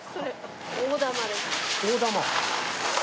大玉。